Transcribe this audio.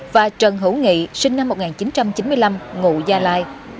và trần hữu nghị sinh năm một nghìn chín trăm chín mươi năm ngụ gia lai